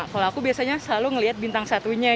kalau aku selalu melihat bintang satu